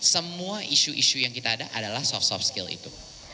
semua isu isu yang kita ada adalah soft soft skill itu